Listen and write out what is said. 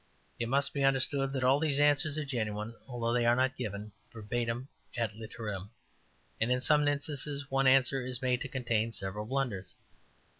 It must be understood that all these answers are genuine, although they are not given verbatim et literatim, and in some instances one answer is made to contain several blunders.